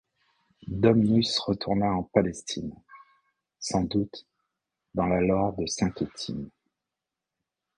Domnus retourna en Palestine, sans doute dans la laure de saint Euthyme.